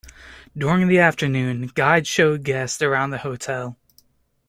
During the afternoon, guides showed guests around the hotel.